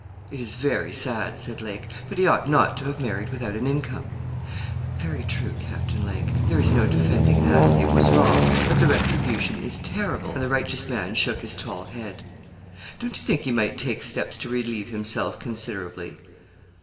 'It is very sad,' said Lake; 'but he ought not to have married without an income.' 'Very true, Captain Lake there's no defending that it was wrong, but the retribution is terrible,' and the righteous man shook his tall head. 'Don't you think he might take steps to relieve himself considerably?'